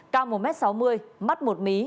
cao một m sáu mươi mắt một mí